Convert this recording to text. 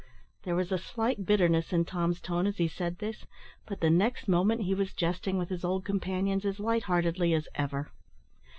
There was a slight bitterness in Tom's tone as he said this, but the next moment he was jesting with his old companions as lightheartedly as ever.